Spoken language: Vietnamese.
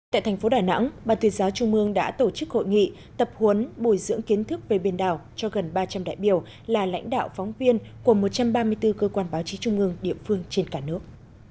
tại thành phố đà nẵng bà tuyết giáo trung ương đã tổ chức hội nghị tập huấn bồi dưỡng kiến thức về biển đảo cho gần ba trăm linh đại biểu là lãnh đạo phóng viên của một trăm ba mươi bốn cơ quan báo chí trung ương địa phương trên cả nước